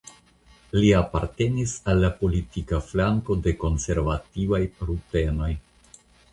Li apartenis al la politika flanko de konservativaj rutenoj.